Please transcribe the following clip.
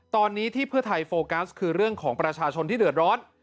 ตอนนี้ที่เพื่อไทยโฟกัสคือเรื่องของประชาชนที่เดือดร้อน